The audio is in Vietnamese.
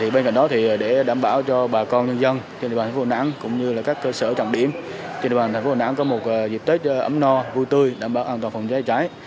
bên cạnh đó để đảm bảo cho bà con nhân dân trên địa bàn thành phố đà nẵng cũng như các cơ sở trọng điểm trên địa bàn thành phố đà nẵng có một dịp tết ấm no vui tươi đảm bảo an toàn phòng cháy cháy